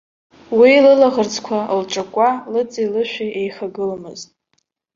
Уи лылаӷырӡқәа лҿыкәкәа лыци-лышәи еихагыломызт.